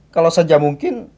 kalau saja mungkin